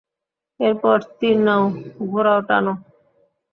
এরপর তীর নাও, ঘোরাও, টানো।